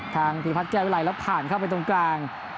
ทางพีพัฒน์แก้วิลัยแล้วผ่านเข้าไปตรงกลาง